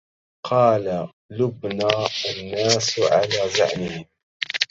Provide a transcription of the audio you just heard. قل لبني الناس على زعمهم